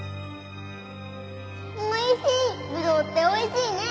おいしい！